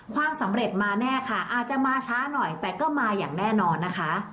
ความสำเร็จมาแน่ค่ะอาจจะมาช้าหน่อยแต่ก็มาอย่างแน่นอนนะคะ